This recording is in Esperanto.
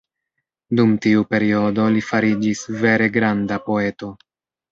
Dum tiu periodo li fariĝis vere granda poeto.